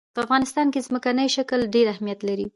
په افغانستان کې ځمکنی شکل ډېر اهمیت لري.